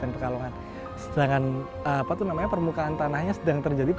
ini termasuk dataran tinggi